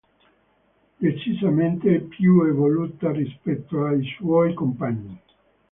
Decisamente più evoluta rispetto ai suoi compagni.